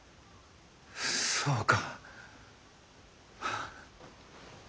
そうか。